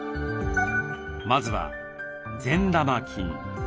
まずは善玉菌。